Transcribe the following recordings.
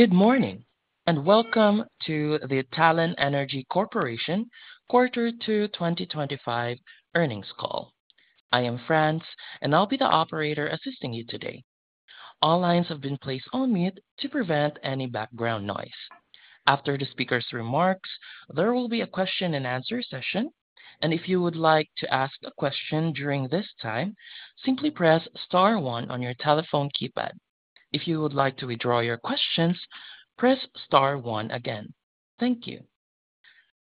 Good morning and welcome to the Talen Energy Corporation Q2 2025 Earnings Call. I am Franz, and I'll be the operator assisting you today. All lines have been placed on mute to prevent any background noise. After the speaker's remarks, there will be a question and answer session. If you would like to ask a question during this time, simply press star one on your telephone keypad. If you would like to withdraw your questions, press star one again. Thank you.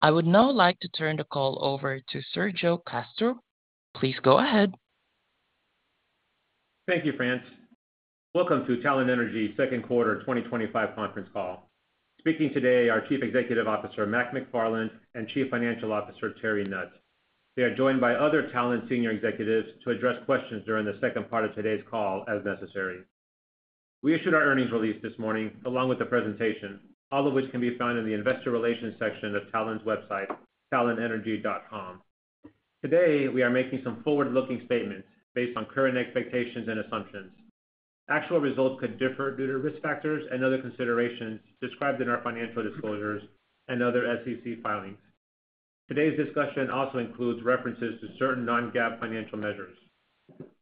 I would now like to turn the call over to Sergio Castro. Please go ahead. Thank you, Franz. Welcome to Talen Energy Corporation's Second Quarter 2025 conference call. Speaking today are Chief Executive Officer Mark McFarland and Chief Financial Officer Terry Nutt. They are joined by other Talen Senior Executives to address questions during the second part of today's call as necessary. We issued our earnings release this morning along with the presentation, all of which can be found in the Investor Relations section of Talen's website, talenenergy.com. Today, we are making some forward-looking statements based on current expectations and assumptions. Actual results could differ due to risk factors and other considerations described in our financial disclosures and other SEC filings. Today's discussion also includes references to certain non-GAAP financial measures.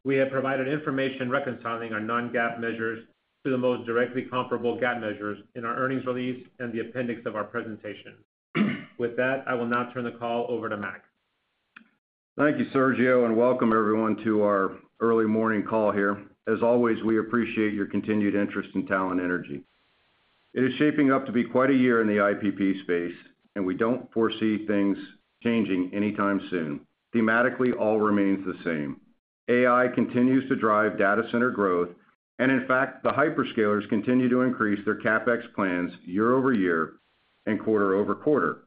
We have provided information reconciling our non-GAAP measures to the most directly comparable GAAP measures in our earnings release and the appendix of our presentation. With that, I will now turn the call over to Mark. Thank you, Sergio, and welcome everyone to our early morning call here. As always, we appreciate your continued interest in Talen Energy. It is shaping up to be quite a year in the IPP space, and we don't foresee things changing anytime soon. Thematically, all remains the same. AI continues to drive data center growth, and in fact, the hyperscalers continue to increase their CapEx plans year over year and quarter over quarter.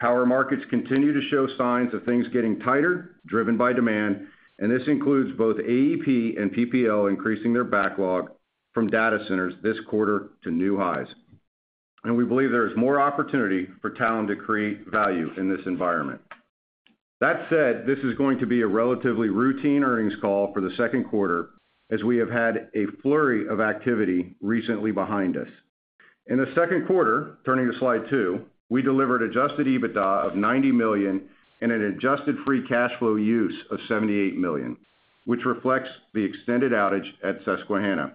Power markets continue to show signs of things getting tighter, driven by demand, and this includes both AEP and PPL increasing their backlog from data centers this quarter to new highs. We believe there is more opportunity for Talen to create value in this environment. That said, this is going to be a relatively routine earnings call for the second quarter as we have had a flurry of activity recently behind us. In the second quarter, turning to slide two, we delivered adjusted EBITDA of $90 million and an adjusted free cash flow use of $78 million, which reflects the extended outage at Susquehanna.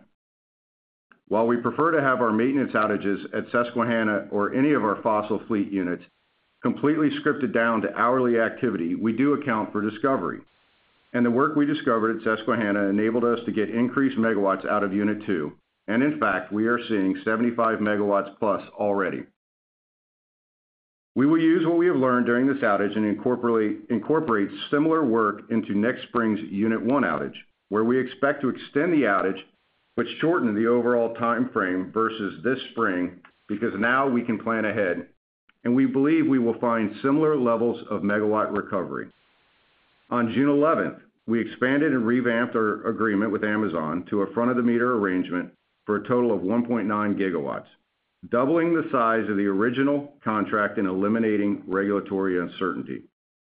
While we prefer to have our maintenance outages at Susquehanna or any of our fossil fleet units completely scripted down to hourly activity, we do account for discovery. The work we discovered at Susquehanna enabled us to get increased megawatts out of Unit 2, and in fact, we are seeing 75+ MW already. We will use what we have learned during this outage and incorporate similar work into next spring's Unit 1 outage, where we expect to extend the outage, which shortened the overall timeframe versus this spring because now we can plan ahead, and we believe we will find similar levels of megawatt recovery. On June 11, we expanded and revamped our agreement with Amazon to a front-of-the-meter arrangement for a total of 1.9 GW, doubling the size of the original contract and eliminating regulatory uncertainty,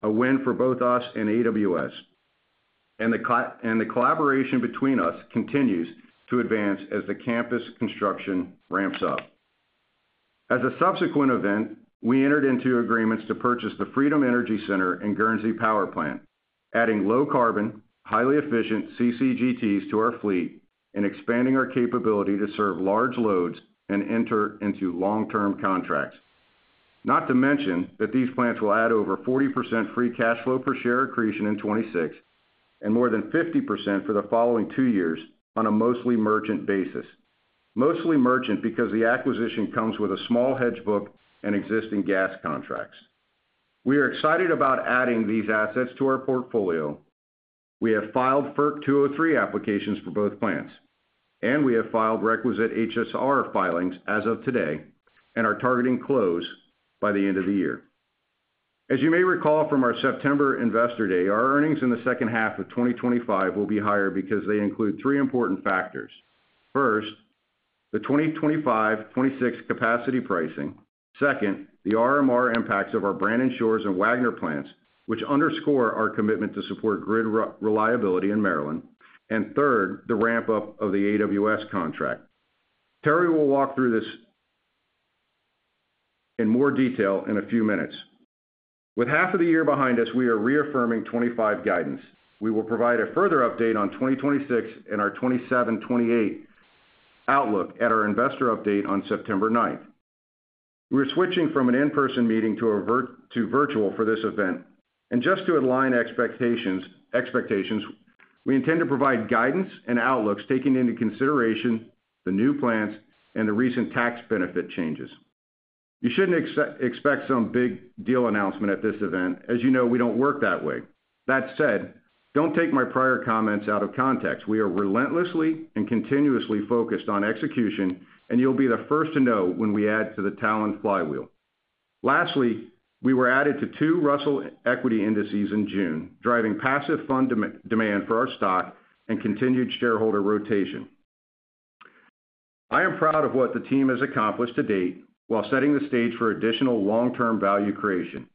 a win for both us and AWS. The collaboration between us continues to advance as the campus construction ramps up. As a subsequent event, we entered into agreements to purchase the Freedom Energy Center and Guernsey Power Plant, adding low-carbon, highly efficient CCGTs to our fleet and expanding our capability to serve large loads and enter into long-term contracts. Not to mention that these plants will add over 40% free cash flow per share accretion in 2026 and more than 50% for the following two years on a mostly merchant basis. Mostly merchant because the acquisition comes with a small hedge book and existing gas contracts. We are excited about adding these assets to our portfolio. We have filed FERC 203 applications for both plants, and we have filed requisite HSR filings as of today and are targeting close by the end of the year. As you may recall from our September Investor Day, our earnings in the second half of 2025 will be higher because they include three important factors. First, the 2025-2026 capacity pricing. Second, the RMR impacts of our Brandon Shores and Wagner plants, which underscore our commitment to support grid reliability in Maryland. Third, the ramp-up of the AWS contract. Terry will walk through this in more detail in a few minutes. With half of the year behind us, we are reaffirming 2025 guidance. We will provide a further update on 2026 and our 2027-2028 outlook at our investor update on September 9th. We are switching from an in-person meeting to virtual for this event. Just to align expectations, we intend to provide guidance and outlooks taking into consideration the new plans and the recent tax benefit changes. You shouldn't expect some big deal announcement at this event. As you know, we don't work that way. That said, don't take my prior comments out of context. We are relentlessly and continuously focused on execution, and you'll be the first to know when we add to Talen's flywheel. Lastly, we were added to two Russell equity indices in June, driving passive fund demand for our stock and continued shareholder rotation. I am proud of what the team has accomplished to date while setting the stage for additional long-term value creation.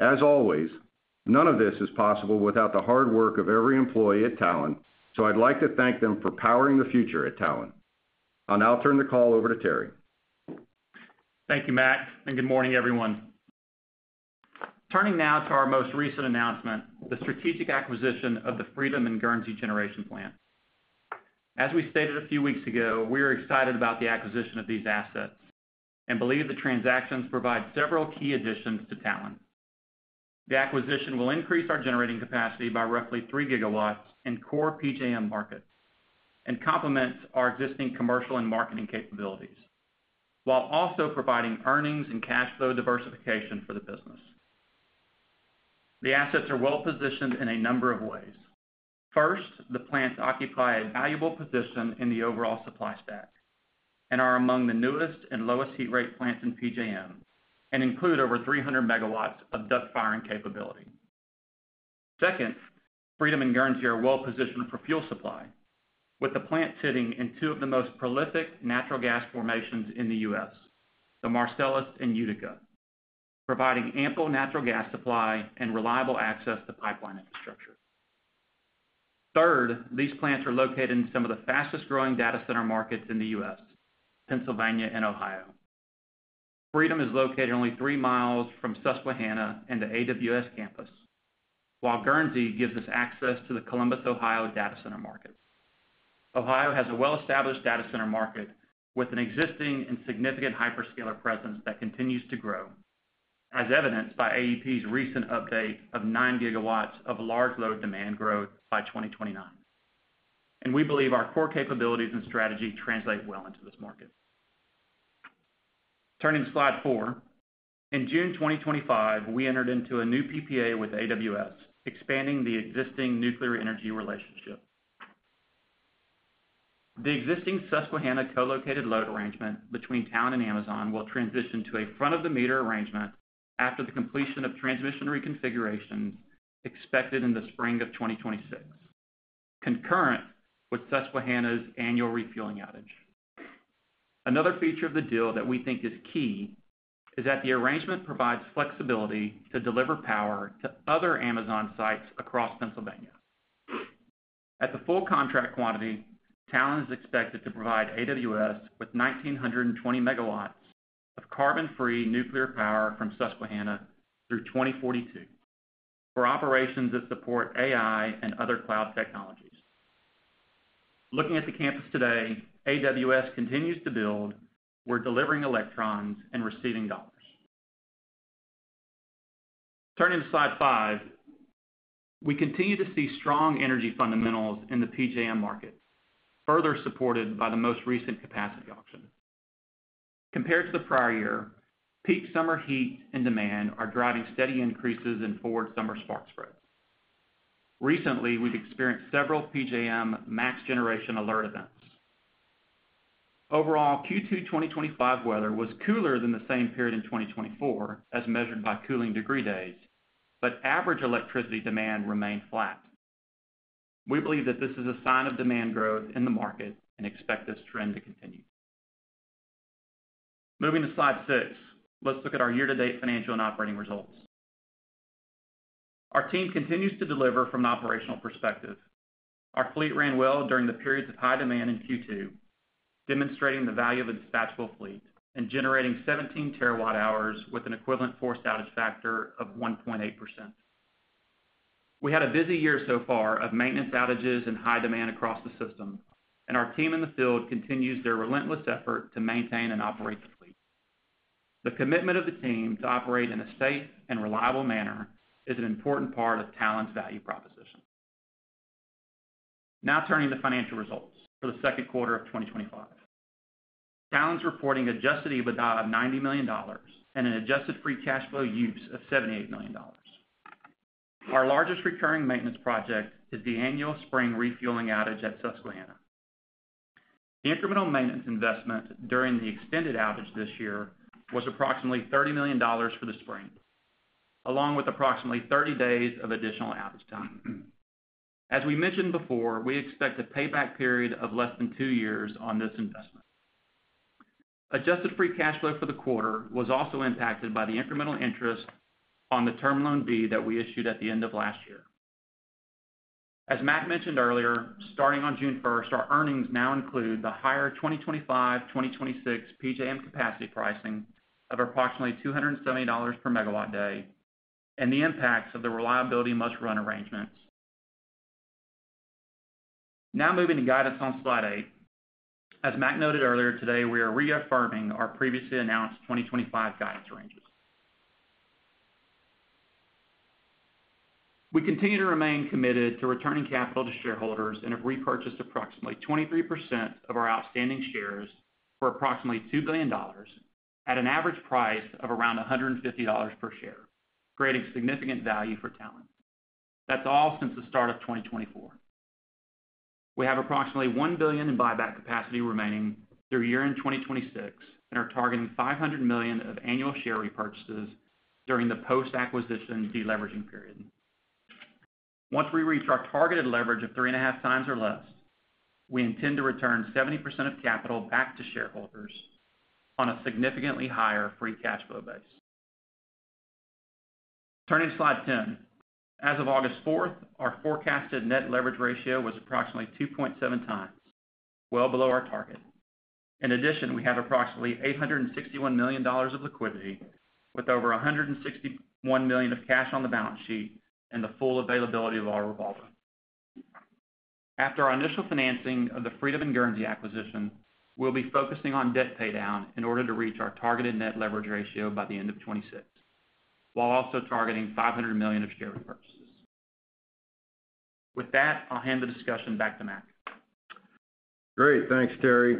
As always, none of this is possible without the hard work of every employee at Talen, so I'd like to thank them for powering the future at Talen. I'll now turn the call over to Terry. Thank you, Mark, and good morning, everyone. Turning now to our most recent announcement, the strategic acquisition of the Freedom and Guernsey Generation Plant. As we stated a few weeks ago, we are excited about the acquisition of these assets and believe the transactions provide several key additions to Talen. The acquisition will increase our generating capacity by roughly 3 GW in core PJM markets and complements our existing commercial and marketing capabilities while also providing earnings and cash flow diversification for the business. The assets are well positioned in a number of ways. First, the plants occupy a valuable position in the overall supply stack and are among the newest and lowest heat rate plants in PJM and include over 300 MW of duct firing capability. Second, Freedom and Guernsey are well positioned for fuel supply, with the plants sitting in two of the most prolific natural gas formations in the U.S., the Marcellus and Utica, providing ample natural gas supply and reliable access to pipeline infrastructure. Third, these plants are located in some of the fastest growing data center markets in the U.S., Pennsylvania and Ohio. Freedom is located only three miles from Susquehanna and the AWS campus, while Guernsey gives us access to the Columbus, Ohio data center market. Ohio has a well-established data center market with an existing and significant hyperscaler presence that continues to grow, as evidenced by AEP's recent update of 9 GW of large load demand growth by 2029. We believe our core capabilities and strategy translate well into this market. Turning to slide four, in June 2025, we entered into a new PPA with AWS, expanding the existing nuclear energy relationship. The existing Susquehanna co-located load arrangement between Talen and Amazon will transition to a front-of-the-meter arrangement after the completion of transmission reconfigurations expected in the spring of 2026, concurrent with Susquehanna's annual refueling outage. Another feature of the deal that we think is key is that the arrangement provides flexibility to deliver power to other Amazon sites across Pennsylvania. At the full contract quantity, Talen is expected to provide AWS with 1,920 MW of carbon-free nuclear power from Susquehanna through 2042 for operations that support AI and other cloud technologies. Looking at the campus today, AWS continues to build. We're delivering electrons and receiving dollars. Turning to slide five, we continue to see strong energy fundamentals in the PJM market, further supported by the most recent capacity auction. Compared to the prior year, peak summer heat and demand are driving steady increases in forward summer spark spread. Recently, we've experienced several PJM max generation alert events. Overall, Q2 2025 weather was cooler than the same period in 2024, as measured by Cooling Degree Days, but average electricity demand remained flat. We believe that this is a sign of demand growth in the market and expect this trend to continue. Moving to slide six, let's look at our year-to-date financial and operating results. Our team continues to deliver from an operational perspective. Our fleet ran well during the periods of high demand in Q2, demonstrating the value of a dispatchable fleet and generating 17 TWh with an equivalent forced outage factor of 1.8%. We had a busy year so far of maintenance outages and high demand across the system, and our team in the field continues their relentless effort to maintain and operate the fleet. The commitment of the team to operate in a safe and reliable manner is an important part of Talen's value proposition. Now turning to financial results for the second quarter of 2025. Talen is reporting adjusted EBITDA of $90 million and an adjusted free cash flow use of $78 million. Our largest recurring maintenance project is the annual spring refueling outage at Susquehanna. Incremental maintenance investment during the extended outage this year was approximately $30 million for the spring, along with approximately 30 days of additional outage time. As we mentioned before, we expect a payback period of less than two years on this investment. Adjusted free cash flow for the quarter was also impacted by the incremental interest on the Term Loan B that we issued at the end of last year. As Mark mentioned earlier, starting on June 1st, our earnings now include the higher 2025-2026 PJM capacity pricing of approximately $270 per megawatt day and the impacts of the reliability must-run arrangements. Now moving to guidance on slide eight. As Mark noted earlier today, we are reaffirming our previously announced 2025 guidance arrangement. We continue to remain committed to returning capital to shareholders and have repurchased approximately 23% of our outstanding shares for approximately $2 billion at an average price of around $150 per share, creating significant value for Talen. That's all since the start of 2024. We have approximately $1 billion in buyback capacity remaining through year-end 2026 and are targeting $500 million of annual share repurchases during the post-acquisition deleveraging period. Once we reach our targeted leverage of 3.5x or less, we intend to return 70% of capital back to shareholders on a significantly higher free cash flow base. Turning to slide 10, as of August 4th, our forecasted net leverage ratio was approximately 2.7x, well below our target. In addition, we have approximately $861 million of liquidity with over $161 million of cash on the balance sheet and the full availability of our revolver. After our initial financing of the Freedom and Guernsey acquisition, we'll be focusing on debt paydown in order to reach our targeted net leverage ratio by the end of 2026, while also targeting $500 million of share repurchases. With that, I'll hand the discussion back to Mark. Great, thanks, Terry.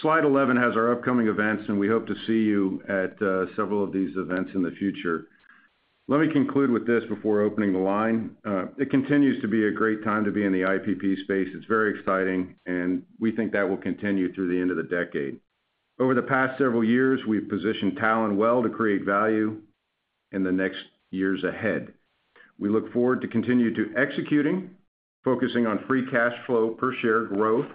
Slide 11 has our upcoming events, and we hope to see you at several of these events in the future. Let me conclude with this before opening the line. It continues to be a great time to be in the IPP space. It's very exciting, and we think that will continue through the end of the decade. Over the past several years, we've positioned Talen well to create value in the next years ahead. We look forward to continue to execute, focusing on free cash flow per share growth,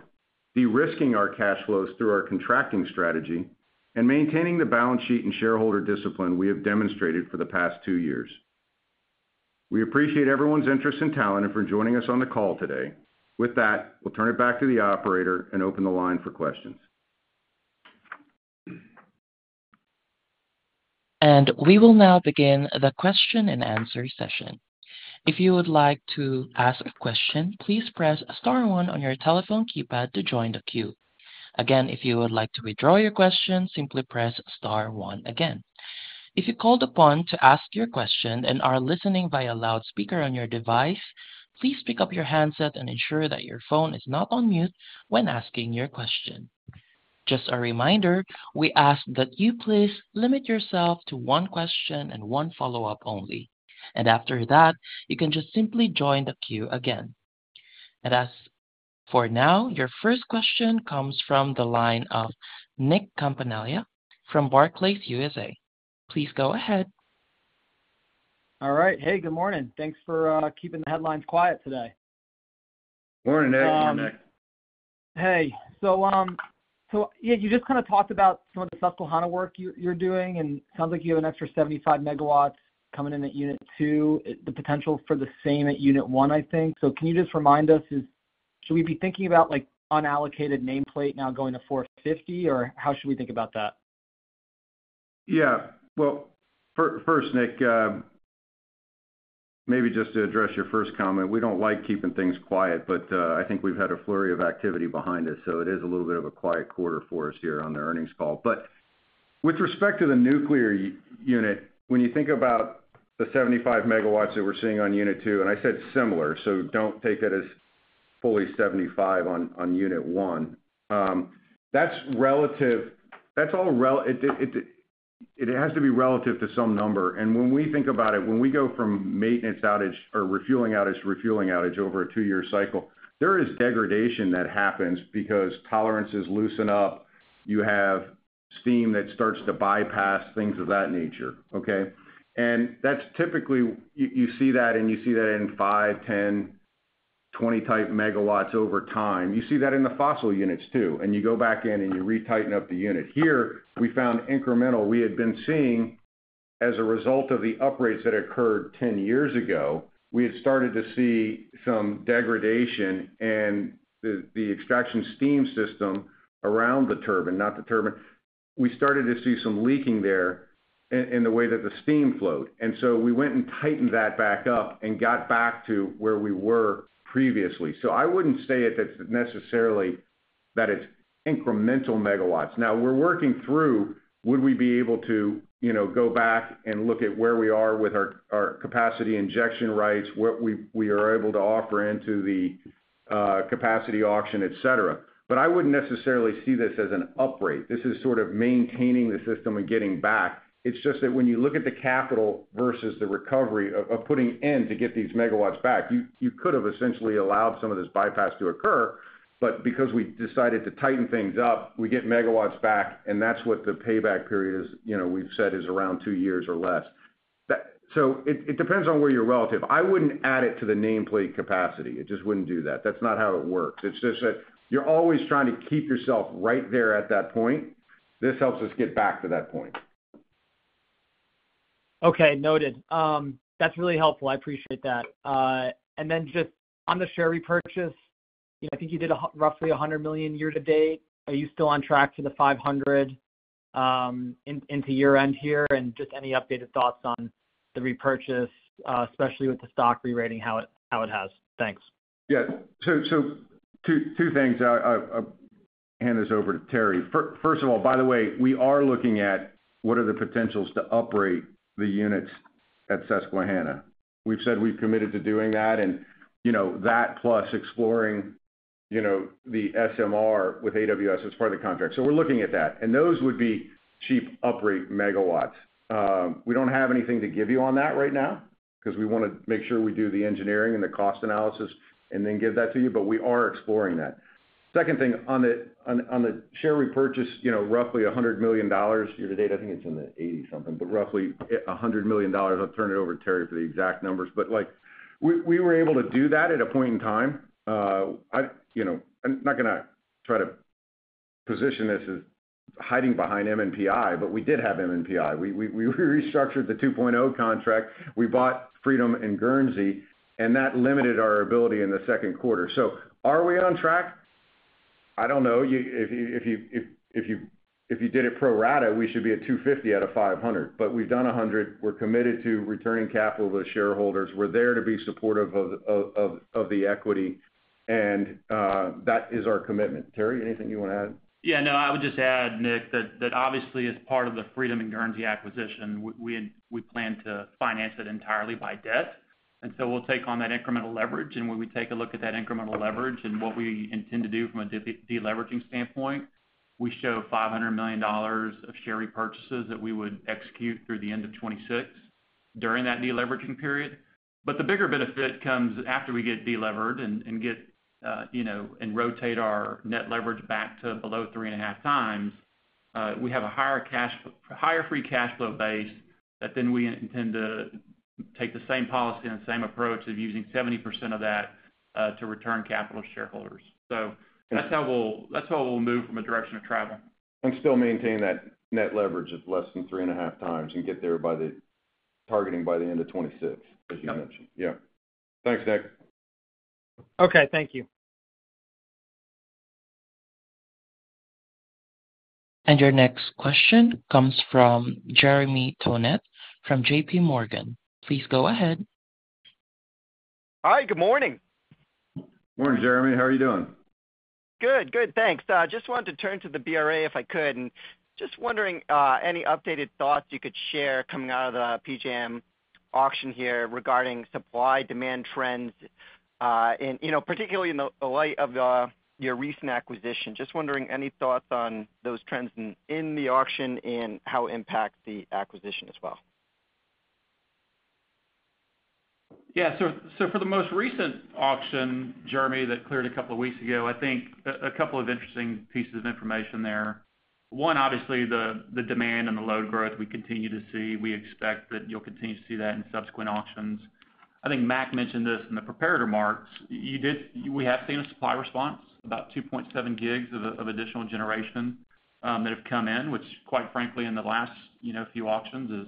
de-risking our cash flows through our contracting strategy, and maintaining the balance sheet and shareholder discipline we have demonstrated for the past two years. We appreciate everyone's interest in Talen and for joining us on the call today. With that, we'll turn it back to the Operator and open the line for questions. We will now begin the question and answer session. If you would like to ask a question, please press star one on your telephone keypad to join the queue. If you would like to withdraw your question, simply press star one again. If you're called upon to ask your question and are listening via a loudspeaker on your device, please pick up your handset and ensure that your phone is not on mute when asking your question. Just a reminder, we ask that you please limit yourself to one question and one follow-up only. After that, you can simply join the queue again. Your first question comes from the line of Nick Campanella from Barclays U.S.A. Please go ahead. All right. Hey, good morning. Thanks for keeping the headlines quiet today. Morning, Nick. Hey, you just kind of talked about some of the Susquehanna work you're doing, and it sounds like you have an extra 75 MW coming in at Unit 2. The potential for the same at Unit 1, I think. Can you just remind us, should we be thinking about like unallocated nameplate now going to 450 or how should we think about that? Yeah, first, Nick, maybe just to address your first comment, we don't like keeping things quiet, but I think we've had a flurry of activity behind us, so it is a little bit of a quiet quarter for us here on the earnings call. With respect to the nuclear unit, when you think about the 75 megawatts that we're seeing on Unit 2, and I said similar, so don't take it as fully 75 on Unit 1. That's relative. That's all relative; it has to be relative to some number. When we think about it, when we go from maintenance outage or refueling outage to refueling outage over a two-year cycle, there is degradation that happens because tolerances loosen up. You have steam that starts to bypass, things of that nature, okay? Typically, you see that, and you see that in 5, 10, 20-type megawatts over time. You see that in the fossil units too. You go back in and you retighten up the unit. Here, we found incremental we had been seeing as a result of the upgrades that occurred 10 years ago. We had started to see some degradation in the extraction steam system around the turbine, not the turbine. We started to see some leaking there in the way that the steam flowed. We went and tightened that back up and got back to where we were previously. I wouldn't say that it's necessarily that it's incremental megawatts. Now we're working through, would we be able to, you know, go back and look at where we are with our capacity injection rights, what we are able to offer into the capacity auction, et cetera. I wouldn't necessarily see this as an upgrade. This is sort of maintaining the system and getting back. It's just that when you look at the capital versus the recovery of putting in to get these megawatts back, you could have essentially allowed some of this bypass to occur. Because we decided to tighten things up, we get megawatts back, and that's what the payback period is, you know, we've said is around two years or less. It depends on where you're relative. I wouldn't add it to the nameplate capacity. It just wouldn't do that. That's not how it works. You're always trying to keep yourself right there at that point. This helps us get back to that point. Okay, noted. That's really helpful. I appreciate that. Just on the share repurchase, I think you did roughly $100 million year to date. Are you still on track for the $500 million into year-end here? Any updated thoughts on the repurchase, especially with the stock re-rating, how it has. Thanks. Yeah, so two things. I'll hand this over to Terry. First of all, by the way, we are looking at what are the potentials to uprate the units at Susquehanna. We've said we've committed to doing that. You know, that plus exploring the SMR with AWS as part of the contract. We are looking at that, and those would be cheap uprate megawatts. We don't have anything to give you on that right now because we want to make sure we do the engineering and the cost analysis and then give that to you. We are exploring that. Second thing, on the share repurchase, roughly $100 million year to date. I think it's in the $80 million-something, but roughly $100 million. I'll turn it over to Terry for the exact numbers. We were able to do that at a point in time. I'm not going to try to position this as hiding behind MNPI, but we did have MNPI. We restructured the 2.0 contract. We bought Freedom and Guernsey, and that limited our ability in the second quarter. Are we on track? I don't know. If you did it pro rata, we should be at $250 million out of $500 million. We've done $100 million. We're committed to returning capital to shareholders. We're there to be supportive of the equity, and that is our commitment. Terry, anything you want to add? Yeah, no, I would just add, Nick, that obviously as part of the Freedom and Guernsey acquisition, we plan to finance it entirely by debt. We'll take on that incremental leverage. When we take a look at that incremental leverage and what we intend to do from a deleveraging standpoint, we show $500 million of share repurchases that we would execute through the end of 2026 during that deleveraging period. The bigger benefit comes after we get delevered and rotate our net leverage back to below 3.5x. We have a higher cash flow, higher free cash flow base that then we intend to take the same policy and same approach of using 70% of that to return capital to shareholders. That's how we'll move from a direction of travel. We still maintain that net leverage at less than 3.5x and get there by targeting by the end of 2026, as you mentioned. Yeah. Thanks, Nick. Okay, thank you. Your next question comes from Jeremy Tonet from JPMorgan. Please go ahead. Hi, good morning. Morning, Jeremy. How are you doing? Good, good, thanks. I just wanted to turn to the BRA if I could. Just wondering any updated thoughts you could share coming out of the PJM auction here regarding supply-demand trends, particularly in the light of your recent acquisition. Just wondering any thoughts on those trends in the auction and how it impacts the acquisition as well. Yeah, for the most recent auction, Jeremy, that cleared a couple of weeks ago, I think a couple of interesting pieces of information there. One, obviously, the demand and the load growth we continue to see. We expect that you'll continue to see that in subsequent auctions. I think Mark mentioned this in the preparatory remarks. We have seen a supply response, about 2.7 GW of additional generation that have come in, which, quite frankly, in the last few auctions,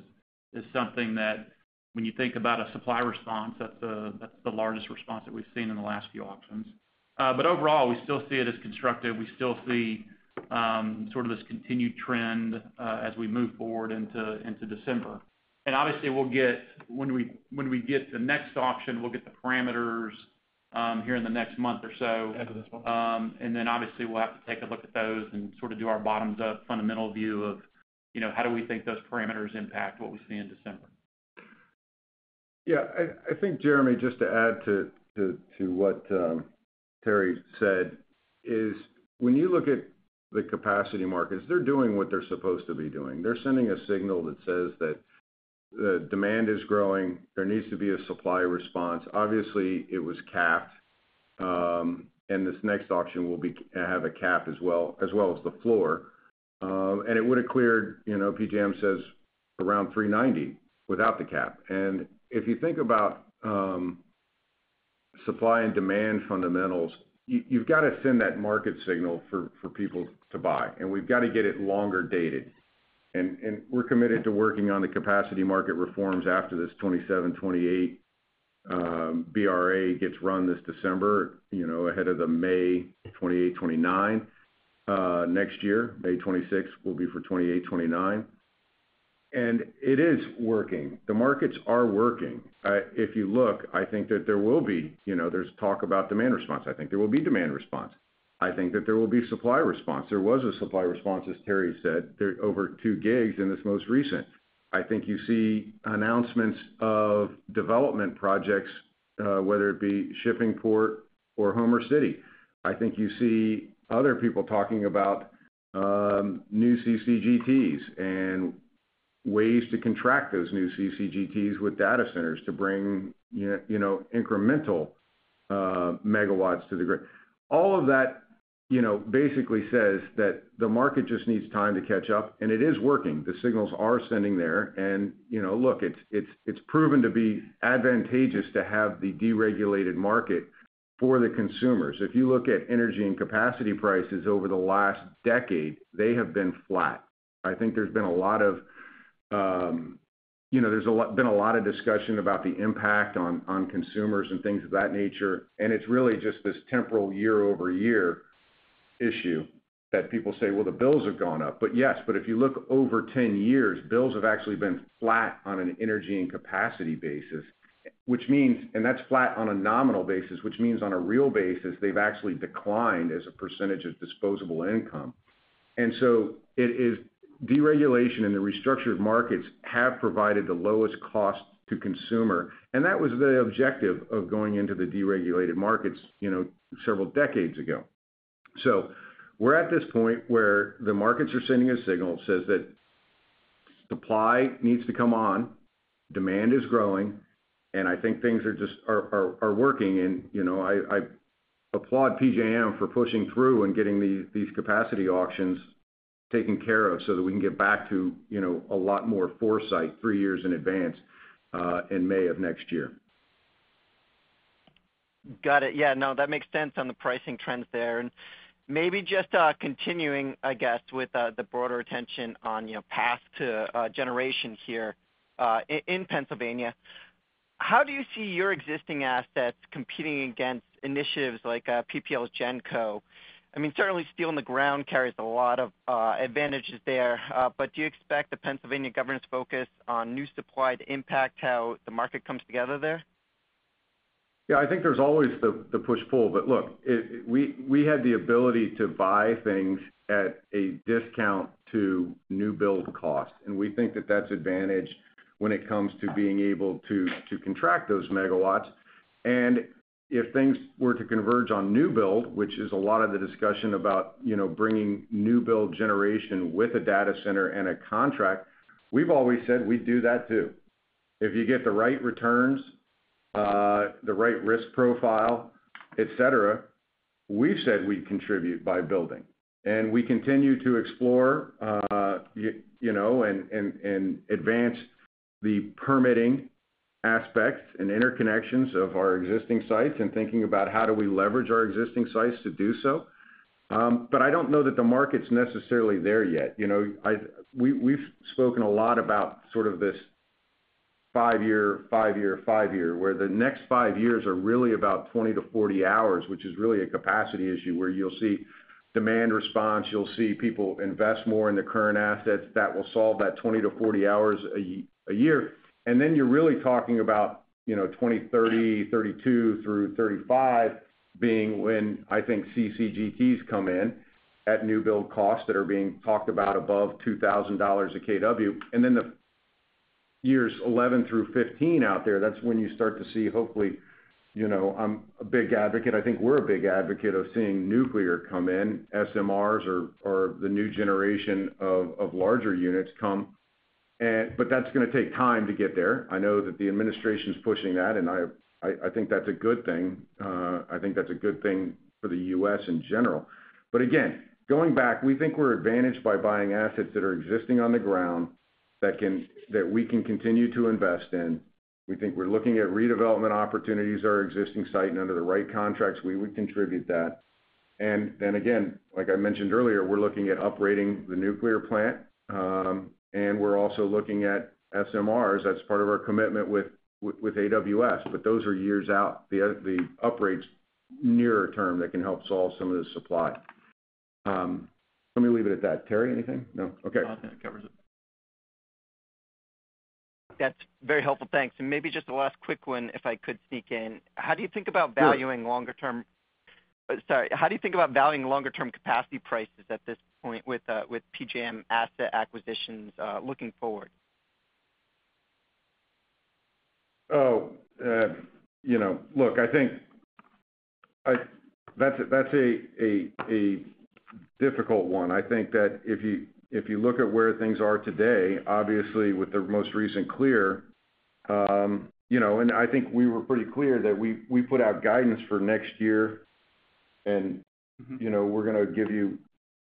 is something that, when you think about a supply response, that's the largest response that we've seen in the last few auctions. Overall, we still see it as constructive. We still see sort of this continued trend as we move forward into December. Obviously, when we get to the next auction, we'll get the parameters here in the next month or so. Then we'll have to take a look at those and sort of do our bottoms-up fundamental view of, you know, how do we think those parameters impact what we see in December? Yeah, I think, Jeremy, just to add to what Terry said, is when you look at the capacity markets, they're doing what they're supposed to be doing. They're sending a signal that says that the demand is growing. There needs to be a supply response. Obviously, it was capped. This next auction will have a cap as well, as well as the floor. It would have cleared, you know, PJM says around $390 without the cap. If you think about supply and demand fundamentals, you've got to send that market signal for people to buy. We've got to get it longer dated. We're committed to working on the capacity market reforms after this 2027-2028 BRA gets run this December, you know, ahead of the May 2028-2029 next year. May 2026 will be for 2028-2029. It is working. The markets are working. If you look, I think that there will be, you know, there's talk about demand response. I think there will be demand response. I think that there will be supply response. There was a supply response, as Terry said, over two gigs in this most recent. I think you see announcements of development projects, whether it be shipping port or home or city. I think you see other people talking about new CCGTs and ways to contract those new CCGTs with data centers to bring, you know, incremental megawatts to the grid. All of that, you know, basically says that the market just needs time to catch up. It is working. The signals are sending there. You know, look, it's proven to be advantageous to have the deregulated market for the consumers. If you look at energy and capacity prices over the last decade, they have been flat. I think there's been a lot of, you know, there's been a lot of discussion about the impact on consumers and things of that nature. It's really just this temporal year-over-year issue that people say, well, the bills have gone up. Yes, but if you look over 10 years, bills have actually been flat on an energy and capacity basis, which means, and that's flat on a nominal basis, which means on a real basis, they've actually declined as a percentage of disposable income. It is deregulation and the restructured markets have provided the lowest cost to consumer. That was the objective of going into the deregulated markets, you know, several decades ago. We're at this point where the markets are sending a signal that says that supply needs to come on, demand is growing, and I think things are just working. I applaud PJM for pushing through and getting these capacity auctions taken care of so that we can get back to, you know, a lot more foresight three years in advance in May of next year. Got it. Yeah, that makes sense on the pricing trends there. Maybe just continuing with the broader attention on your path to generation here in Pennsylvania, how do you see your existing assets competing against initiatives like PPL's GenCo? Certainly, steel in the ground carries a lot of advantages there. Do you expect the Pennsylvania governance focus on new supply to impact how the market comes together there? Yeah, I think there's always the push-pull. Look, we had the ability to buy things at a discount to new build costs, and we think that that's an advantage when it comes to being able to contract those megawatts. If things were to converge on new build, which is a lot of the discussion about bringing new build generation with a data center and a contract, we've always said we'd do that too. If you get the right returns, the right risk profile, et cetera, we've said we'd contribute by building. We continue to explore and advance the permitting aspects and interconnections of our existing sites and thinking about how do we leverage our existing sites to do so. I don't know that the market's necessarily there yet. We've spoken a lot about sort of this five-year, five-year, five-year, where the next five years are really about 20 hours-40 hours, which is really a capacity issue where you'll see demand response, you'll see people invest more in their current assets that will solve that 20 hours-40 hours a year. You're really talking about 2030, 2032 through 2035 being when I think CCGTs come in at new build costs that are being talked about above $2,000 a kW. The years 11 through 15 out there, that's when you start to see hopefully, you know, I'm a big advocate. I think we're a big advocate of seeing nuclear come in, SMRs or the new generation of larger units come. That's going to take time to get there. I know that the administration's pushing that, and I think that's a good thing. I think that's a good thing for the U.S. in general. Again, going back, we think we're advantaged by buying assets that are existing on the ground that we can continue to invest in. We think we're looking at redevelopment opportunities at our existing site, and under the right contracts, we would contribute that. Like I mentioned earlier, we're looking at upgrading the nuclear plant, and we're also looking at SMRs. That's part of our commitment with AWS. Those are years out, the upgrades nearer term that can help solve some of the supply. Let me leave it at that. Terry, anything? No, okay. I think that covers it. That's very helpful. Thanks. Maybe just the last quick one, if I could sneak in. How do you think about valuing longer-term capacity prices at this point with PJM asset acquisitions looking forward? I think that's a difficult one. I think that if you look at where things are today, obviously with the most recent clear, I think we were pretty clear that we put out guidance for next year, and we're going to give you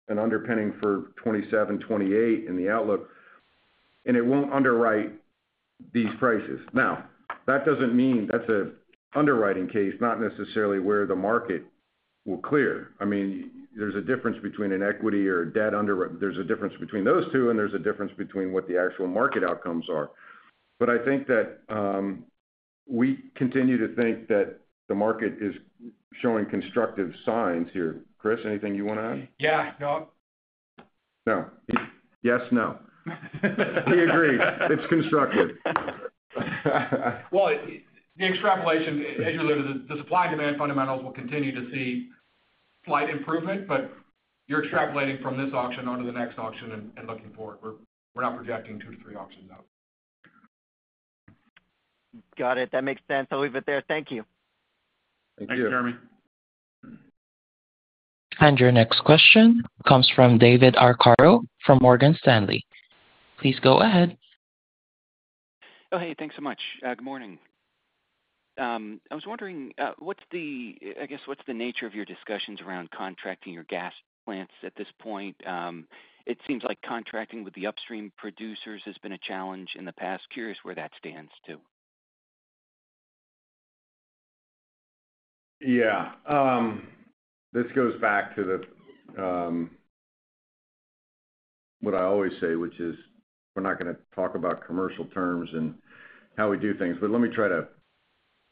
an underpinning for 2027, 2028 in the outlook. It won't underwrite these prices. That doesn't mean that's an underwriting case, not necessarily where the market will clear. There's a difference between an equity or a debt underwriting. There's a difference between those two, and there's a difference between what the actual market outcomes are. I think that we continue to think that the market is showing constructive signs here. Chris, anything you want to add? Yeah, no. No, yes, no. We agree. It's constructive. The extrapolation, as you alluded to, the supply and demand fundamentals will continue to see slight improvement, but you're extrapolating from this auction onto the next auction and looking forward. We're not projecting two to three auctions out. Got it. That makes sense. I'll leave it there. Thank you. Thank you, Jeremy. Your next question comes from David Arcaro from Morgan Stanley. Please go ahead. Oh, hey, thanks so much. Good morning. I was wondering, what's the nature of your discussions around contracting your gas plants at this point? It seems like contracting with the upstream producers has been a challenge in the past. Curious where that stands too. Yeah, this goes back to what I always say, which is we're not going to talk about commercial terms and how we do things. Let me try to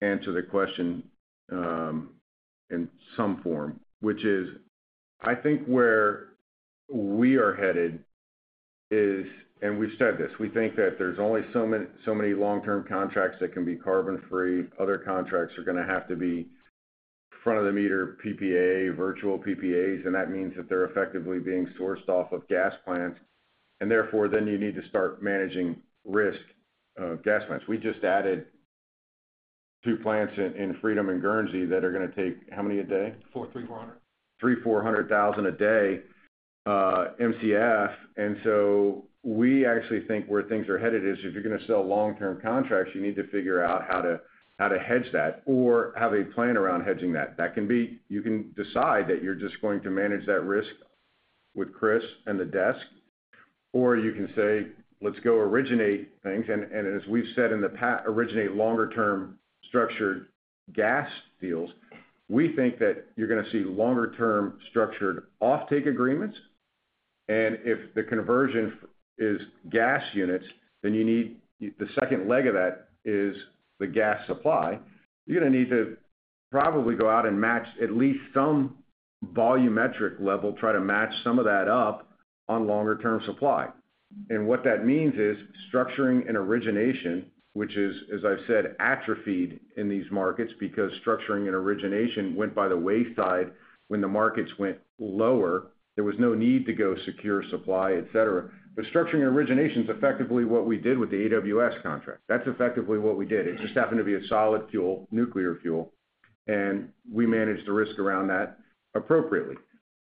answer the question in some form, which is I think where we are headed is, and we've said this, we think that there's only so many long-term contracts that can be carbon-free. Other contracts are going to have to be front-of-the-meter PPA, virtual PPAs, and that means that they're effectively being sourced off of gas plants. Therefore, you need to start managing risk gas plants. We just added two plants in Freedom and Guernsey that are going to take how many a day? 300, 400. 300,000, 400,000 a day MCF. We actually think where things are headed is if you're going to sell long-term contracts, you need to figure out how to hedge that or have a plan around hedging that. That can be, you can decide that you're just going to manage that risk with Chris and the desk, or you can say, let's go originate things. As we've said in the past, originate longer-term structured gas deals. We think that you're going to see longer-term structured offtake agreements. If the conversion is gas units, then you need the second leg of that, which is the gas supply. You're going to need to probably go out and match at least some volumetric level, try to match some of that up on longer-term supply. What that means is structuring and origination, which, as I've said, atrophied in these markets because structuring and origination went by the wayside when the markets went lower. There was no need to go secure supply, et cetera. Structuring and origination is effectively what we did with the AWS contract. That's effectively what we did. It just happened to be a solid fuel, nuclear fuel. We managed the risk around that appropriately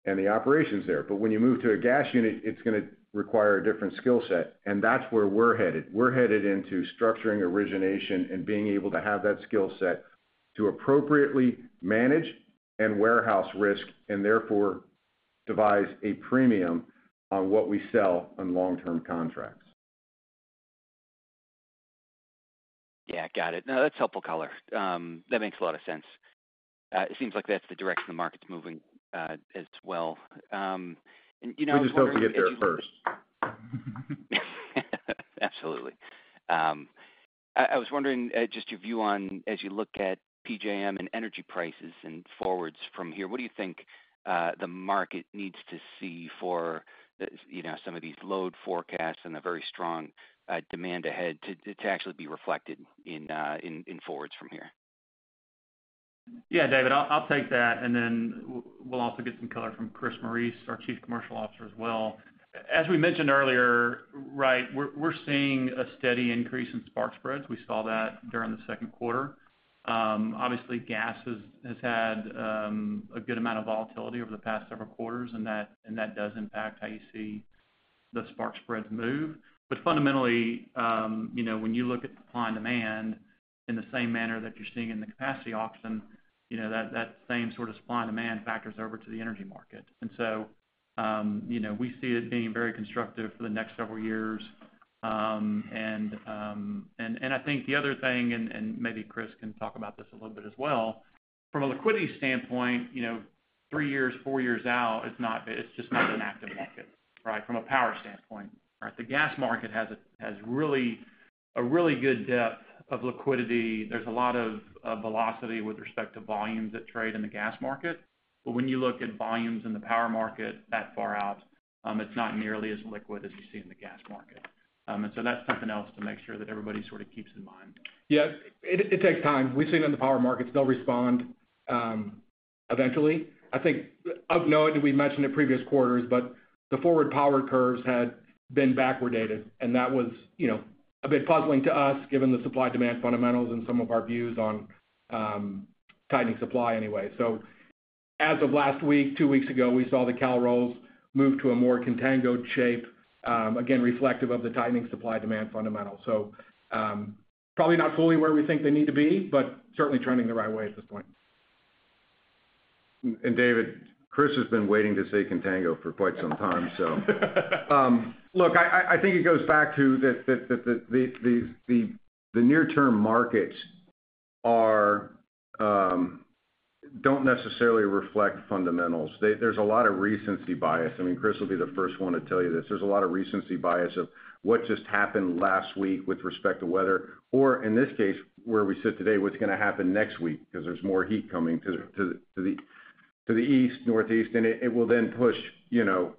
and the operations there. When you move to a gas unit, it's going to require a different skill set. That's where we're headed. We're headed into structuring, origination, and being able to have that skill set to appropriately manage and warehouse risk and therefore devise a premium on what we sell on long-term contracts. Yeah, got it. No, that's a helpful color. That makes a lot of sense. It seems like that's the direction the market's moving as well. We just hope we get there first. Absolutely. I was wondering just your view on, as you look at PJM and energy prices and forwards from here, what do you think the market needs to see for some of these load forecasts and the very strong demand ahead to actually be reflected in forwards from here? Yeah, David, I'll take that. We'll also get some color from Chris Morice, our Chief Commercial Officer, as well. As we mentioned earlier, we're seeing a steady increase in spark spreads. We saw that during the second quarter. Obviously, gas has had a good amount of volatility over the past several quarters, and that does impact how you see the spark spreads move. Fundamentally, when you look at supply and demand in the same manner that you're seeing in the capacity auction, that same sort of supply and demand factors over to the energy market. We see it being very constructive for the next several years. I think the other thing, and maybe Chris can talk about this a little bit as well, from a liquidity standpoint, three years, four years out, it's just not an active market, right? From a power standpoint, the gas market has really a really good depth of liquidity. There's a lot of velocity with respect to volumes that trade in the gas market. When you look at volumes in the power market that far out, it's not nearly as liquid as we see in the gas market. That's something else to make sure that everybody sort of keeps in mind. Yeah, it takes time. We've seen in the power markets, they'll respond eventually. I think, no, we mentioned in previous quarters, but the forward power curves had been backward dated. That was, you know, a bit puzzling to us given the supply-demand fundamentals and some of our views on tightening supply anyway. As of last week, two weeks ago, we saw the Cal rolls move to a more contango shape, again, reflective of the tightening supply-demand fundamentals. Probably not fully where we think they need to be, but certainly trending the right way at this point. David, Chris has been waiting to say contango for quite some time. I think it goes back to that the near-term markets do not necessarily reflect fundamentals. There is a lot of recency bias. Chris will be the first one to tell you this. There is a lot of recency bias of what just happened last week with respect to weather, or in this case, where we sit today, what is going to happen next week because there is more heat coming to the east, northeast, and it will then push, you know,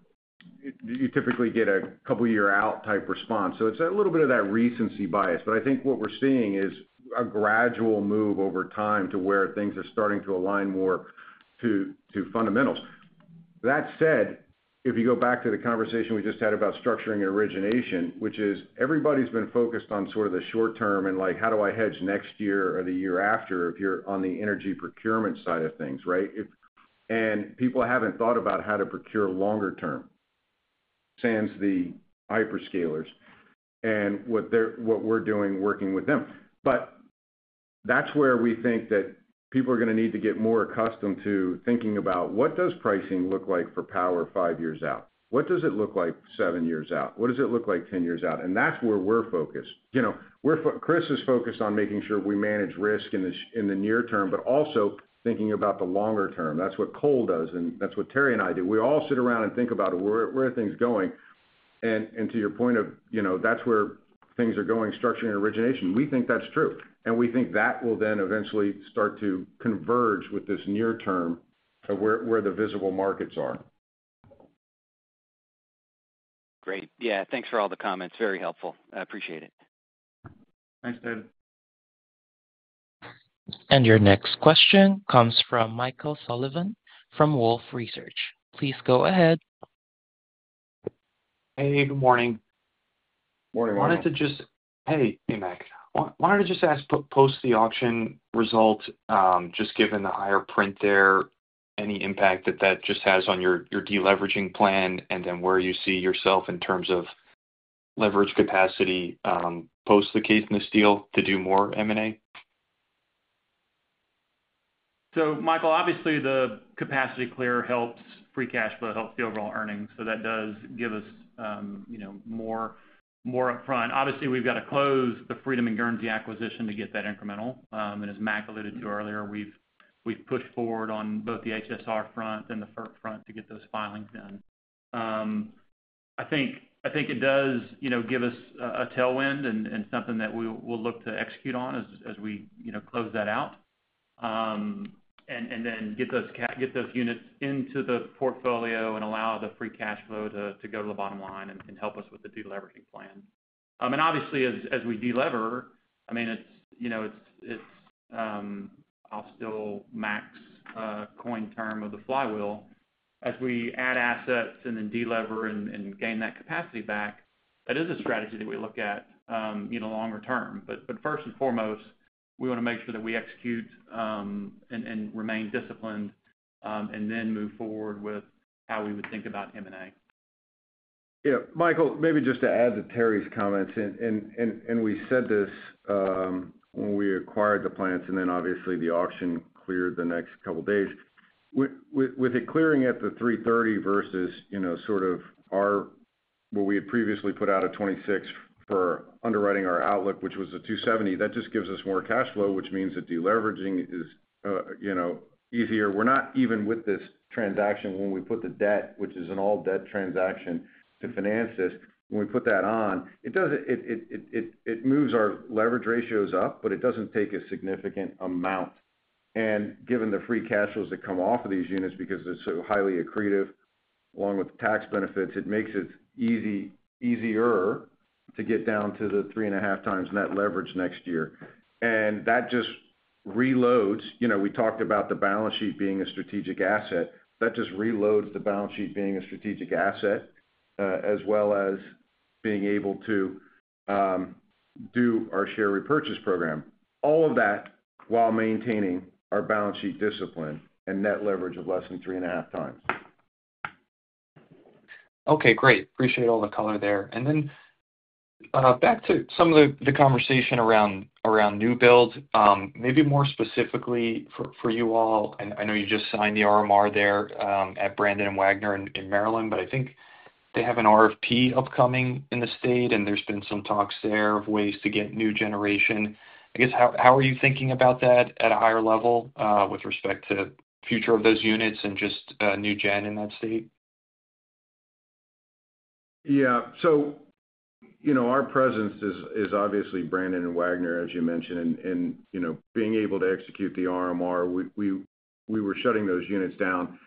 you typically get a couple-year-out type response. It is a little bit of that recency bias. I think what we are seeing is a gradual move over time to where things are starting to align more to fundamentals. That said, if you go back to the conversation we just had about structuring and origination, which is everybody has been focused on sort of the short term and like, how do I hedge next year or the year after if you are on the energy procurement side of things, right? People have not thought about how to procure longer term, except for the hyperscalers and what we are doing working with them. That is where we think that people are going to need to get more accustomed to thinking about what does pricing look like for power five years out? What does it look like seven years out? What does it look like 10 years out? That is where we are focused. Chris is focused on making sure we manage risk in the near term, but also thinking about the longer term. That is what Cole does, and that is what Terry and I do. We all sit around and think about where are things going. To your point of, you know, that is where things are going, structuring and origination. We think that is true. We think that will then eventually start to converge with this near term of where the visible markets are. Great. Yeah, thanks for all the comments. Very helpful. I appreciate it. Thanks, David. Your next question comes from Michael Sullivan from Wolfe Research. Please go ahead. Hey, good morning. Morning, Michael. Wanted to just ask, Mark, post the auction result, just given the higher print there, any impact that that just has on your deleveraging plan and then where you see yourself in terms of leverage capacity post the case in the steel to do more M&A? Michael, obviously, the capacity clear helps free cash flow, helps the overall earnings. That does give us, you know, more upfront. We've got to close the Freedom and Guernsey acquisition to get that incremental. As Markalluded to earlier, we've pushed forward on both the HSR front and the FERC front to get those filings done. I think it does, you know, give us a tailwind and something that we'll look to execute on as we close that out. Then get those units into the portfolio and allow the free cash flow to go to the bottom line and help us with the deleveraging plan. Obviously, as we delever, I mean, it's, you know, it's, I'll still max coin term of the flywheel. As we add assets and then delever and gain that capacity back, that is a strategy that we look at, you know, longer term. First and foremost, we want to make sure that we execute and remain disciplined and then move forward with how we would think about M&A. Yeah, Michael, maybe just to add to Terry's comments, we said this when we acquired the plants, and then obviously the auction cleared the next couple of days. With it clearing at the $330 versus, you know, sort of our, where we had previously put out at 2026 for underwriting our outlook, which was a $270, that just gives us more cash flow, which means that deleveraging is easier. We're not, even with this transaction when we put the debt, which is an all-debt transaction, to finance this. When we put that on, it moves our leverage ratios up, but it doesn't take a significant amount. Given the free cash flows that come off of these units, because they're so highly accretive, along with the tax benefits, it makes it easier to get down to the 3.5x net leverage next year. That just reloads, you know, we talked about the balance sheet being a strategic asset. That just reloads the balance sheet being a strategic asset, as well as being able to do our share repurchase program, all of that while maintaining our balance sheet discipline and net leverage of less than 3.5x. Okay, great. Appreciate all the color there. Back to some of the conversation around new build, maybe more specifically for you all. I know you just signed the RMR there at Brandon and Wagner in Maryland. I think they have an RFP upcoming in the state, and there's been some talks there of ways to get new generation. I guess, how are you thinking about that at a higher level with respect to the future of those units and just new gen in that state? Yeah, so, you know, our presence is obviously Brandon and Wagner, as you mentioned, and, you know, being able to execute the RMR, we were shutting those units down,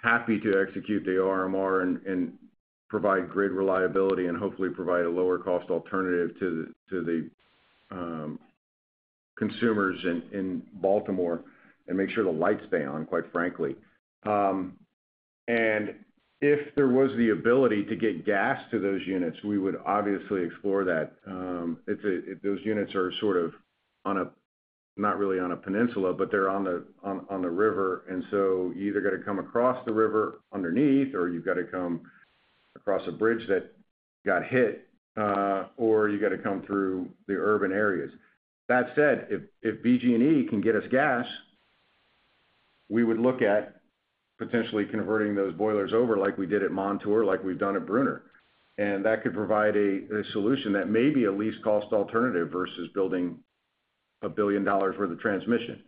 happy to execute the RMR and provide grid reliability and hopefully provide a lower cost alternative to the consumers in Baltimore and make sure the lights stay on, quite frankly. If there was the ability to get gas to those units, we would obviously explore that. Those units are sort of on a, not really on a peninsula, but they're on the river. You either got to come across the river underneath, or you've got to come across a bridge that got hit, or you've got to come through the urban areas. That said, if BG&E can get us gas, we would look at potentially converting those boilers over like we did at Montour, like we've done at Bruner. That could provide a solution that may be a least cost alternative versus building a billion dollars' worth of transmission.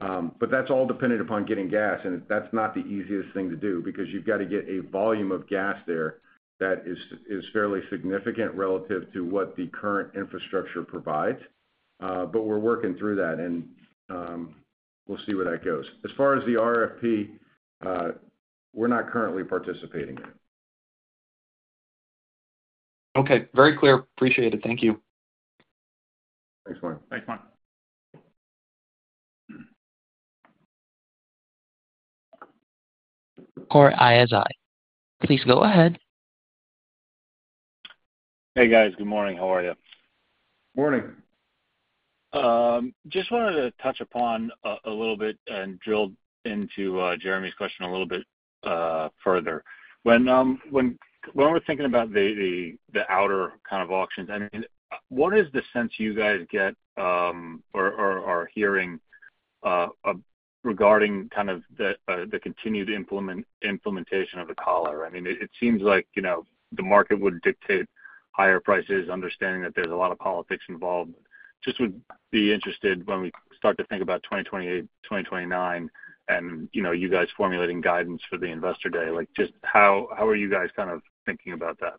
That's all dependent upon getting gas, and that's not the easiest thing to do because you've got to get a volume of gas there that is fairly significant relative to what the current infrastructure provides. We're working through that, and we'll see where that goes. As far as the RFP, we're not currently participating in it. Okay, very clear. Appreciate it. Thank you. Thanks, Mark. Thanks, Mark. Core ISI, please go ahead. Hey guys, good morning. How are you? Morning. Just wanted to touch upon a little bit and drill into Jeremy's question a little bit further. When we're thinking about the outer kind of auctions, what is the sense you guys get or are hearing regarding the continued implementation of the collar? It seems like the market would dictate higher prices, understanding that there's a lot of politics involved. Would be interested when we start to think about 2028, 2029, and you guys formulating guidance for the investor day. How are you guys kind of thinking about that?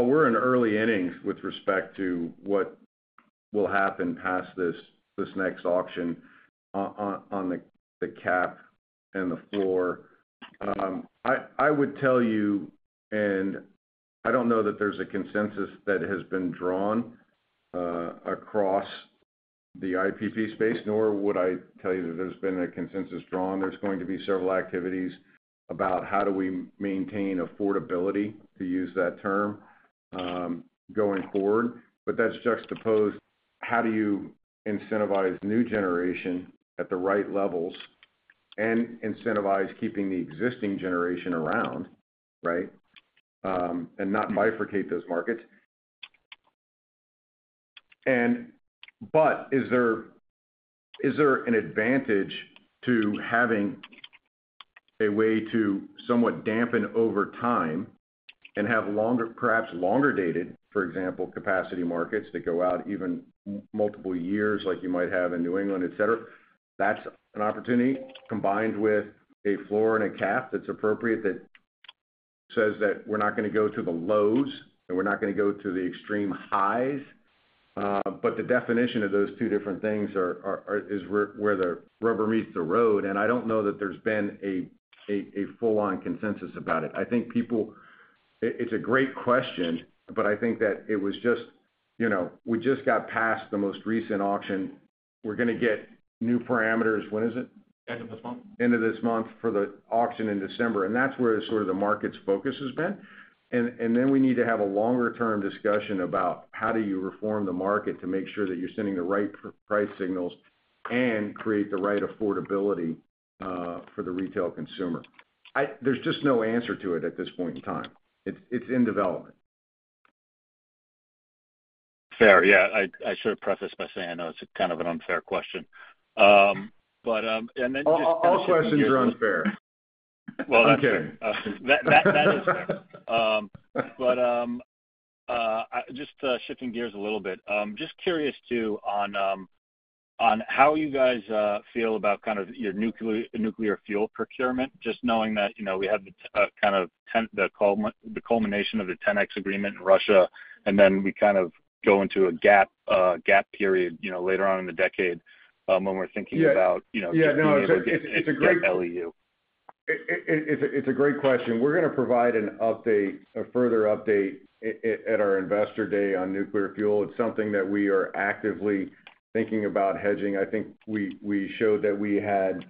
We're in early innings with respect to what will happen past this next auction on the cap and the floor. I would tell you, and I don't know that there's a consensus that has been drawn across the IPP space, nor would I tell you that there's been a consensus drawn. There's going to be several activities about how do we maintain affordability, to use that term, going forward. That's juxtaposed with how do you incentivize new generation at the right levels and incentivize keeping the existing generation around, right? Not bifurcate those markets. Is there an advantage to having a way to somewhat dampen over time and have longer, perhaps longer dated, for example, capacity markets that go out even multiple years, like you might have in New England, et cetera? That's an opportunity combined with a floor and a cap that's appropriate that says that we're not going to go to the lows and we're not going to go to the extreme highs. The definition of those two different things is where the rubber meets the road. I don't know that there's been a full-on consensus about it. I think it's a great question, but I think that it was just, you know, we just got past the most recent auction. We're going to get new parameters. When is it? End of this month? End of this month for the auction in December. That is where sort of the market's focus has been. We need to have a longer-term discussion about how do you reform the market to make sure that you're sending the right price signals and create the right affordability for the retail consumer. There's just no answer to it at this point in time. It's in development. Yeah, I should have prefaced by saying I know it's kind of an unfair question. All questions are unfair. I'm kidding. Shifting gears a little bit, just curious too on how you guys feel about kind of your nuclear fuel procurement, just knowing that, you know, we have the culmination of the 10x agreement in Russia, and then we kind of go into a gap period later on in the decade when we're thinking about, you know. Yeah, no, it's a great question. We're going to provide an update, a further update at our investor day on nuclear fuel. It's something that we are actively thinking about hedging. I think we showed that we had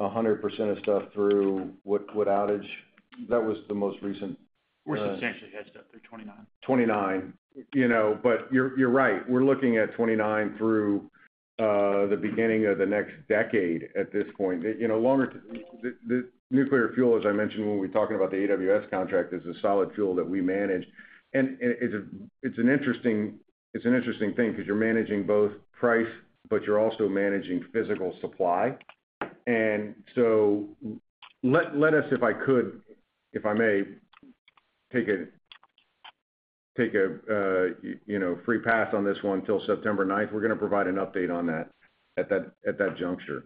100% of stuff through what outage. That was the most recent. We're substantially hedged up through 2029. 2029, you know, but you're right. We're looking at 2029 through the beginning of the next decade at this point. You know, longer the nuclear fuel, as I mentioned, when we're talking about the AWS contract, is a solid fuel that we manage. It's an interesting thing because you're managing both price, but you're also managing physical supply. Let us, if I could, if I may take a free pass on this one till September 9th, we're going to provide an update on that at that juncture.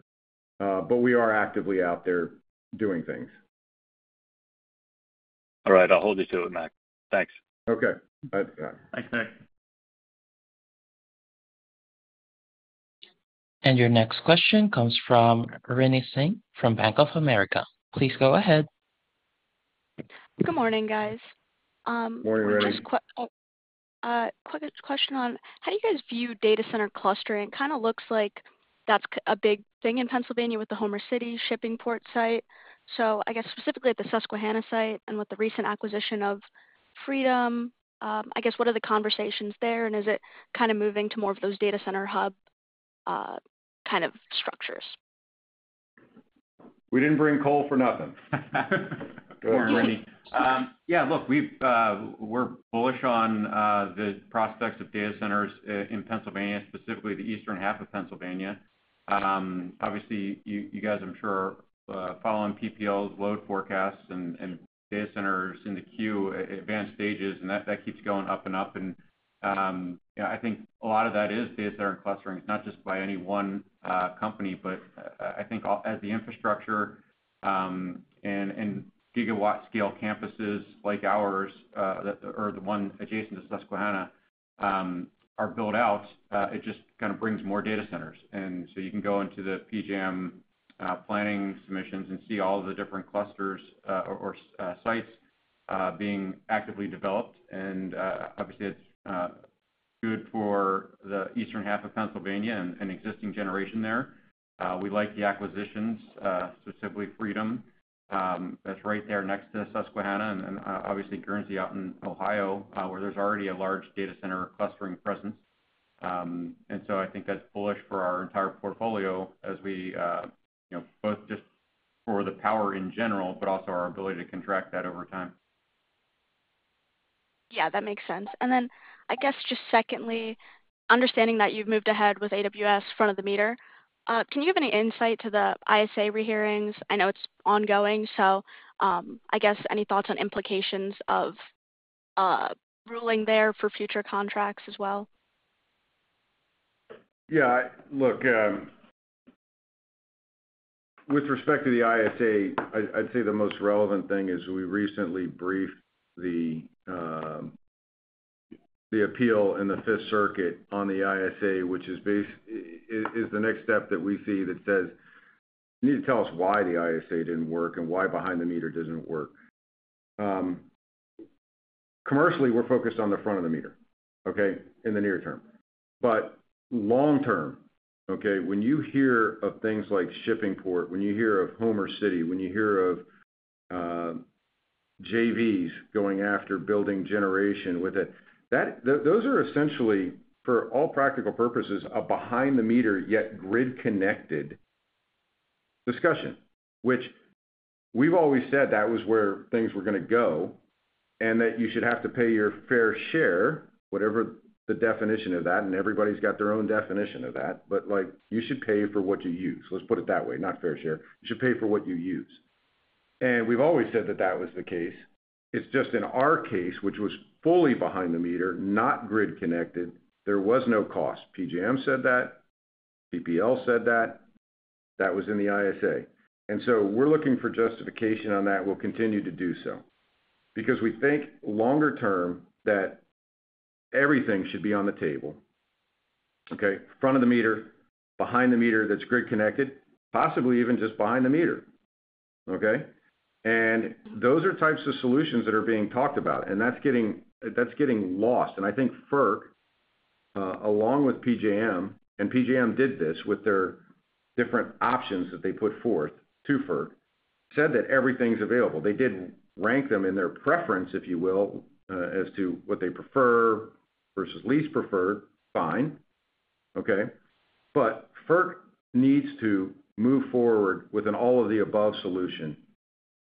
We are actively out there doing things. All right, I'll hold you to it, Mark. Thanks. Okay. Thanks. Your next question comes from Rinny Singh from Bank of America. Please go ahead. Good morning, guys. Morning, Rinny. Quick question on how do you guys view data center clustering? It kind of looks like that's a big thing in Pennsylvania with the Homer City shipping port site. I guess specifically at the Susquehanna site and with the recent acquisition of Freedom, I guess what are the conversations there? Is it kind of moving to more of those data center hub kind of structures? We didn't bring Cole Muller for nothing. Good morning, Rinny. Yeah, look, we're bullish on the prospects of data centers in Pennsylvania, specifically the eastern half of Pennsylvania. Obviously, you guys, I'm sure, are following PPL load forecasts and data centers in the queue at advanced stages, and that keeps going up and up. I think a lot of that is data center and clustering, not just by any one company, but I think as the infrastructure and gigawatt scale campuses like ours, or the one adjacent to Susquehanna, are built out, it just kind of brings more data centers. You can go into the PJM planning submissions and see all of the different clusters or sites being actively developed. Obviously, it's good for the eastern half of Pennsylvania and existing generation there. We like the acquisitions, specifically Freedom. That's right there next to Susquehanna. Obviously, Guernsey out in Ohio, where there's already a large data center clustering presence. I think that's bullish for our entire portfolio as we, you know, both just for the power in general, but also our ability to contract that over time. Yeah, that makes sense. I guess just secondly, understanding that you've moved ahead with AWS front of the meter, can you give any insight to the ISA rehearings? I know it's ongoing. I guess any thoughts on implications of ruling there for future contracts as well? Yeah, look, with respect to the ISA, I'd say the most relevant thing is we recently briefed the appeal in the Fifth Circuit on the ISA, which is the next step that we see that says, you need to tell us why the ISA didn't work and why behind the meter didn't work. Commercially, we're focused on the front of the meter, okay, in the near term. Long term, okay, when you hear of things like Shippingport, when you hear of Homer City, when you hear of JVs going after building generation with it, those are essentially, for all practical purposes, a behind-the-meter yet grid-connected discussion, which we've always said that was where things were going to go and that you should have to pay your fair share, whatever the definition of that, and everybody's got their own definition of that. You should pay for what you use. Let's put it that way, not fair share. You should pay for what you use. We've always said that that was the case. It's just in our case, which was fully behind the meter, not grid connected, there was no cost. PJM said that. PPL said that. That was in the ISA. We're looking for justification on that. We'll continue to do so because we think longer term that everything should be on the table. Okay, front of the meter, behind the meter that's grid connected, possibly even just behind the meter. Those are types of solutions that are being talked about. That's getting lost. I think FERC, along with PJM, and PJM did this with their different options that they put forth to FERC, said that everything's available. They did rank them in their preference, if you will, as to what they prefer versus least preferred. Fine. FERC needs to move forward with an all-of-the-above solution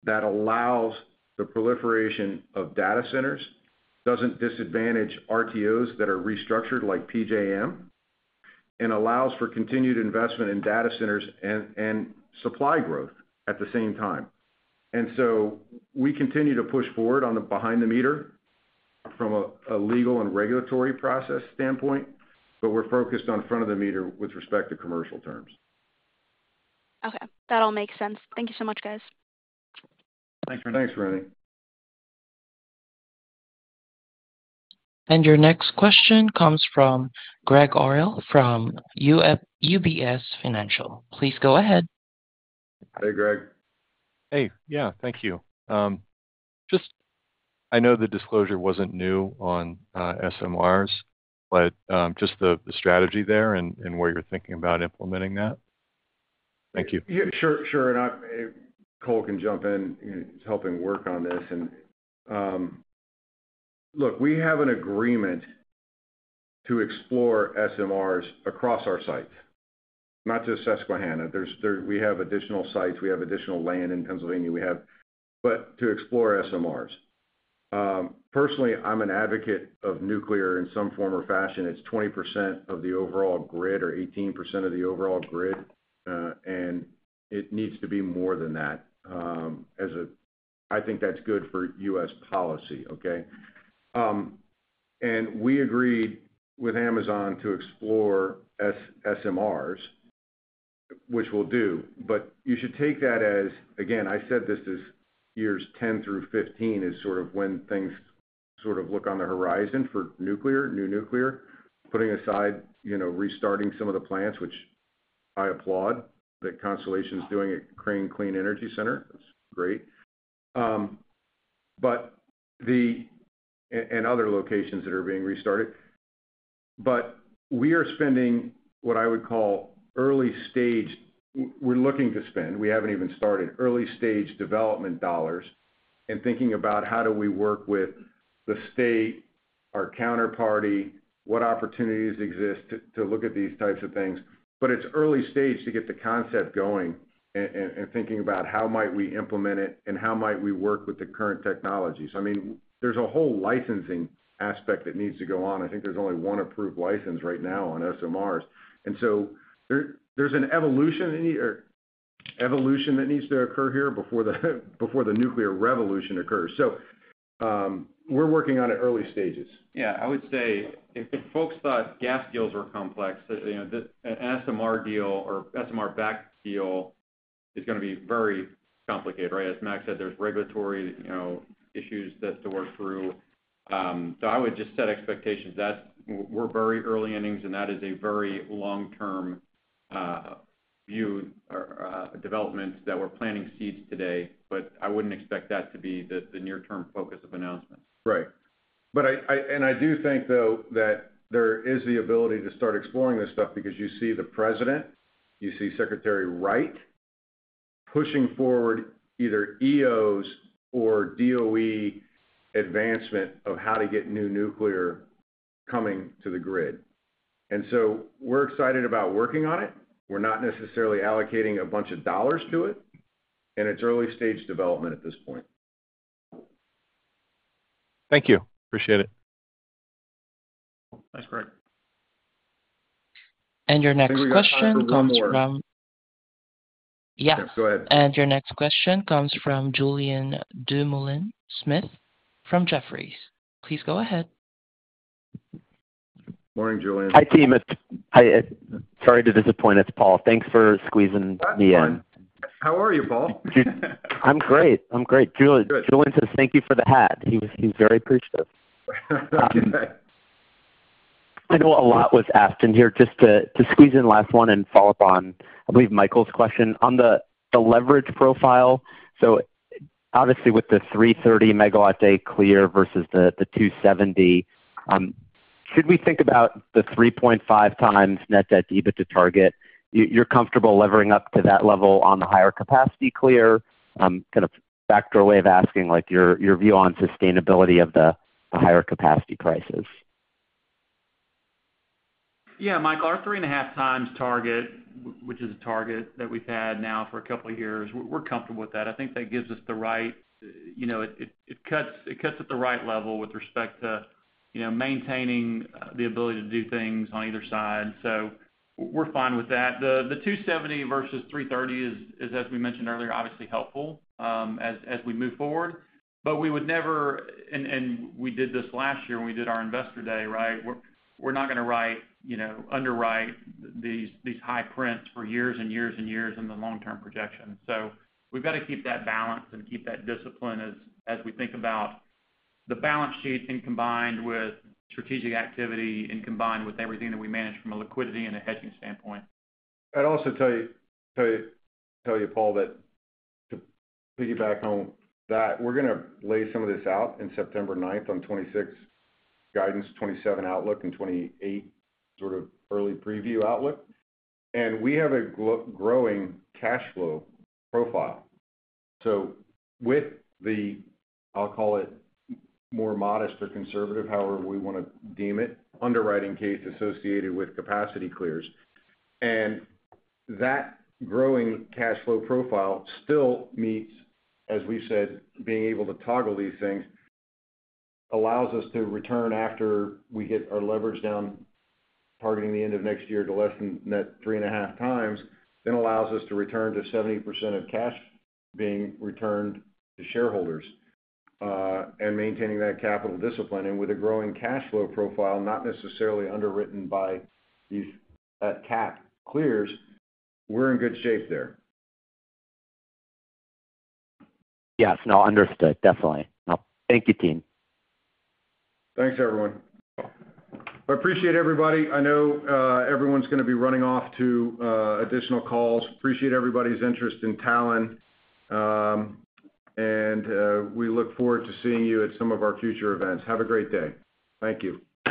that allows the proliferation of data centers, doesn't disadvantage RTOs that are restructured like PJM, and allows for continued investment in data centers and supply growth at the same time. We continue to push forward on the behind-the-meter from a legal and regulatory process standpoint, but we're focused on front of the meter with respect to commercial terms. Okay, that all makes sense. Thank you so much, guys. Thanks, Rinny. Thanks, Rinny. Your next question comes from Gregg Orrill from UBS Financial. Please go ahead. Hey, Gregg. Thank you. I know the disclosure wasn't new on SMRs, but just the strategy there and what you're thinking about implementing that. Thank you. Sure, sure. Cole can jump in. He's helping work on this. Look, we have an agreement to explore SMRs across our sites, not just Susquehanna. We have additional sites. We have additional land in Pennsylvania to explore SMRs. Personally, I'm an advocate of nuclear in some form or fashion. It's 20% of the overall grid or 18% of the overall grid, and it needs to be more than that. I think that's good for U.S. policy, okay? We agreed with Amazon to explore SMRs, which we'll do. You should take that as, again, I said this is years 10 through 15 is sort of when things sort of look on the horizon for nuclear, new nuclear, putting aside restarting some of the plants, which I applaud that Constellation's doing at Crane Clean Energy Center. That's great. Other locations are being restarted. We are spending what I would call early stage, we're looking to spend, we haven't even started, early stage development dollars and thinking about how do we work with the state, our counterparty, what opportunities exist to look at these types of things. It's early stage to get the concept going and thinking about how might we implement it and how might we work with the current technologies. I mean, there's a whole licensing aspect that needs to go on. I think there's only one approved license right now on SMRs, and there's an evolution that needs to occur here before the nuclear revolution occurs. We're working on it in early stages. Yeah, I would say if folks thought gas deals were complex, you know, an SMR deal or SMR-backed deal is going to be very complicated, right? As Mark said, there's regulatory, you know, issues to work through. I would just set expectations. We're very early innings and that is a very long-term view or development that we're planting seeds today. I wouldn't expect that to be the near-term focus of announcement. Right. I do think though that there is the ability to start exploring this stuff because you see the President, you see Secretary Wright pushing forward either EOs or DOE advancement of how to get new nuclear coming to the grid. We're excited about working on it. We're not necessarily allocating a bunch of dollars to it. It's early stage development at this point. Thank you. Appreciate it. That's great. Your next question comes from Julian Dumoulin-Smith from Jefferies. Please go ahead. Morning, Julian. Hi team. Sorry to disappoint, it's Paul. Thanks for squeezing me in. How are you, Paul? I'm great. I'm great. Julian says thank you for the hat. He's very appreciative. I'll do that. I know a lot was asked in here, just to squeeze in last one and follow up on, I believe, Michael's question on the leverage profile. Obviously, with the $330 megawatt day clear versus the $270, should we think about the 3.5x net debt to EBITDA target? You're comfortable levering up to that level on the higher capacity clear? Kind of backdoor way of asking like your view on sustainability of the higher capacity prices. Yeah, Mike, our 3.5x target, which is a target that we've had now for a couple of years, we're comfortable with that. I think that gives us the right, you know, it cuts at the right level with respect to, you know, maintaining the ability to do things on either side. We're fine with that. The $270 versus $330 is, as we mentioned earlier, obviously helpful as we move forward. We would never, and we did this last year when we did our investor day, right? We're not going to underwrite these high prints for years and years and years in the long-term projection. We've got to keep that balance and keep that discipline as we think about the balance sheet and combined with strategic activity and combined with everything that we manage from a liquidity and a hedging standpoint. I'd also tell you, Paul, that to piggyback on that, we're going to lay some of this out in September 9th on 2026 guidance, 2027 outlook, and 2028 sort of early preview outlook. We have a growing cash flow profile. With the, I'll call it more modest or conservative, however we want to deem it, underwriting case associated with capacity clears, that growing cash flow profile still meets, as we said, being able to toggle these things allows us to return after we hit a leverage down targeting the end of next year to less than that 3.5x, then allows us to return to 70% of cash being returned to shareholders and maintaining that capital discipline. With a growing cash flow profile, not necessarily underwritten by these cap clears, we're in good shape there. Yes, no, understood. Definitely. Thank you, team. Thanks, everyone. I appreciate everybody. I know everyone's going to be running off to additional calls. Appreciate everybody's interest in Talen. We look forward to seeing you at some of our future events. Have a great day. Thank you.